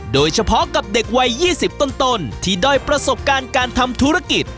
โดยเฉพาะกับเด็กวัย๒๐ต้นที่ด้อยประสบการณ์การทำธุรกิจ